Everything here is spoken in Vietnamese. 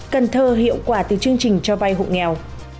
cần thơ hiệu quả từ chương trình cho vay hộ nghèo